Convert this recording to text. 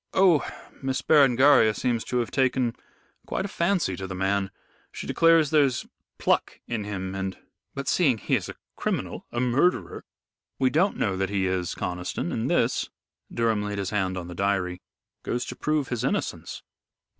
"Oh, Miss Berengaria seems to have taken quite a fancy to the man. She declares there's pluck in him, and " "But seeing he is a criminal a murderer " "We don't know that he is, Conniston, and this" Durham laid his hand on the diary "goes to prove his innocence."